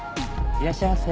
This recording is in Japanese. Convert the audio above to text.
いらっしゃいませ。